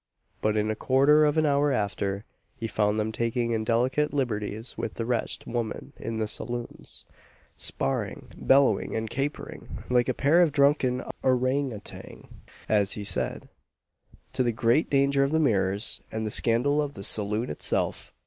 But in a quarter of an hour after, he found them taking indelicate liberties with the wretched women in the saloons, sparring, bellowing, and capering, like a pair of drunken ourang outangs, as he said, to the great danger of the mirrors, and the scandal of the saloon itself.